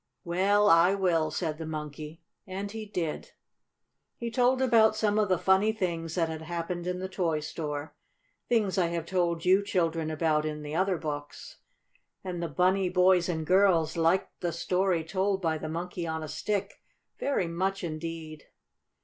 "Well, I will," said the Monkey, and he did. He told about some of the funny things that had happened in the toy store things I have told you children about in the other books. And the bunny boys and girls liked the story told by the Monkey on a Stick very much indeed.